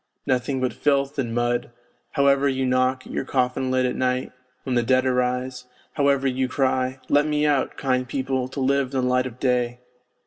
Nothing but filth and mud, however you knock at your coffin lid at night, when the dead arise, however you cry :' Let me out, kind people, to live in the light of day